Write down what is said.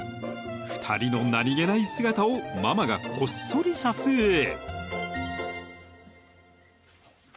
［２人の何げない姿をママがこっそり撮影］